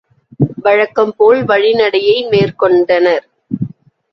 வழக்கம்போல் வழிநடையை மேற்கொண்டனர்.